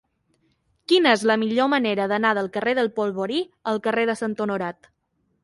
Quina és la millor manera d'anar del carrer del Polvorí al carrer de Sant Honorat?